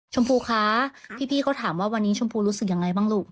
ชมพูคะพี่เขาถามว่าวันนี้ชมพูรู้สึกยังไงบ้างลูก